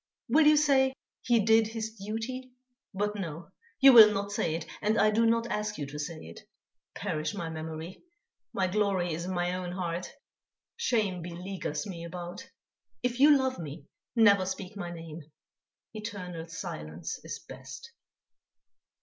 Will you say: 'He did his duty'? But no! You will not say it and I do not ask you to say it. Perish my memory! My glory is in my own heart; shame beleaguers me about. If you love me, never speak my name; eternal silence is best."